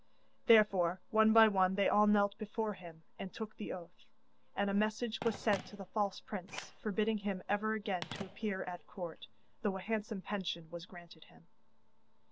Therefore one by one they all knelt before him and took the oath, and a message was sent to the false prince, forbidding him ever again to appear at court, though a handsome pension was granted him.